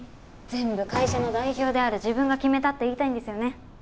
全部会社の代表である自分が決めたって言いたいんですよね。